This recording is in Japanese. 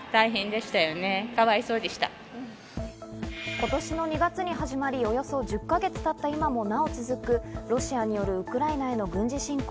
今年の２月に始まり、およそ１０か月経った今もなお続く、ロシアによるウクライナの軍事侵攻。